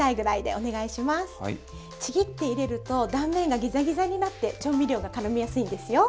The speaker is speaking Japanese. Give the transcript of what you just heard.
ちぎって入れると断面がギザギザになって調味料がからみやすいんですよ。